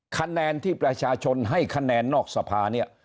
คะแนนที่ประชาชนให้คะแนนนอกสภาเนี่ย